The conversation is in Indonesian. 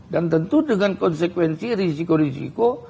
dan tentu dengan konsekuensi risiko risiko